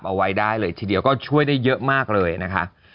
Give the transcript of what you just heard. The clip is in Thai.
เอาไว้ได้เลยทีเดียวก็ช่วยได้เยอะมากเลยนะคะ